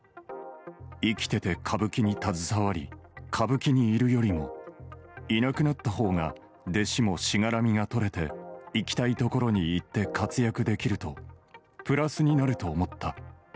生きてて歌舞伎に携わり、歌舞伎にいるよりも、いなくなったほうが弟子もしがらみが取れて、行きたいところに行って活躍できると、プラスになると思った。